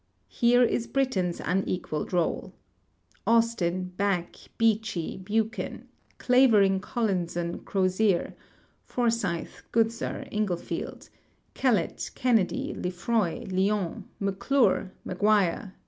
Here is Britain's unequaled roll : Austin, Back, Beechey, Buchan, Clavering, Collinson, Crozier, Forsyth, Goodsir, Inglefield, Kellett, Kennedy, Lefroy, Lyon, McClure, Maguire.